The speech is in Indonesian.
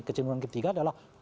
kecenderungan ketiga adalah